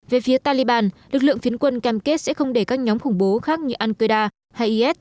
về phía taliban lực lượng phiến quân cam kết sẽ không để các nhóm khủng bố khác như al qaeda hay is